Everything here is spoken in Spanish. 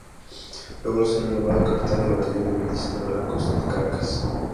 Logró ser nombrado capitán del Batallón de Milicias de Blancos de Caracas.